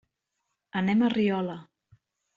Anem a Riola.